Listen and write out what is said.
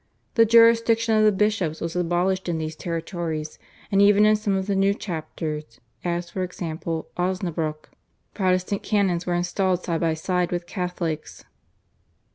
The jurisdiction of the bishops was abolished in these territories, and even in some of the new chapters, as for example at Osnabruck, Protestant canons were installed side by side with Catholics.